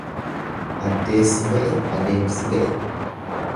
Addessi ba'e adeemsi ga'e.